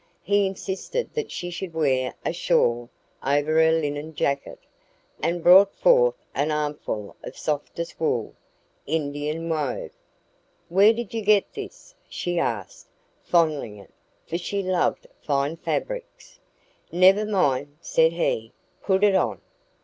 He insisted that she should wear a shawl over her linen jacket, and brought forth an armful of softest WOOL, Indian wove. "Where did you get this?" she asked, fondling it, for she loved fine fabrics. "Never mind," said he. "Put it on."